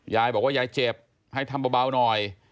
ยายบอกว่ายายเจ็บให้ทำเบาหน่อย